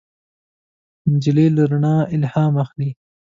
نجلۍ له رڼا الهام اخلي.